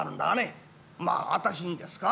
まあ私にですか？